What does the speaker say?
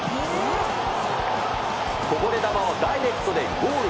こぼれ球をダイレクトでゴールへ。